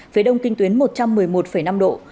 phía đông kinh tuyến một trăm một mươi một năm độ